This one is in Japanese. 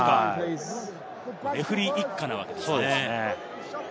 レフェリー一家なわけですね。